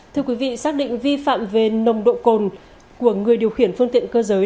thưa quý vị xác định vi phạm về nồng độ cồn của người điều khiển phương tiện cơ giới